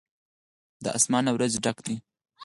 دا آسمان له وريځو ډک دی.